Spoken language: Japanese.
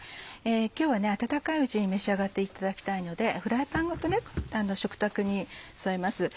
今日は温かいうちに召し上がっていただきたいのでフライパンごと食卓に添えます。